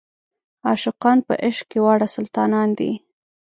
عاشقان په عشق کې واړه سلطانان دي.